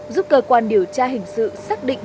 giúp cơ quan điều tra hình sự xác định